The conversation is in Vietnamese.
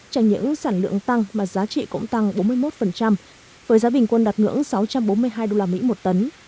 chẳng những sản lượng tăng mà giá trị cũng tăng bốn mươi một với giá bình quân đạt ngưỡng sáu trăm bốn mươi hai usd một tấn